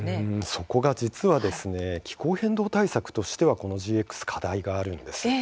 そこが実は気候変動対策としてはＧＸ、課題があるんです。